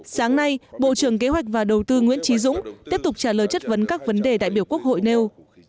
sáng nay bộ trưởng kế hoạch và đầu tư nguyễn trí dũng tiếp tục trả lời chất vấn các vấn đề đại biểu quốc hội nêu